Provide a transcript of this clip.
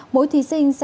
mỗi thí sinh sẽ